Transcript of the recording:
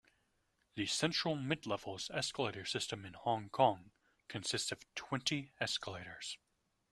The Central-Midlevels escalator system in Hong Kong consists of twenty escalators.